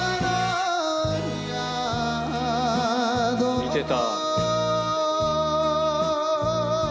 「見てた」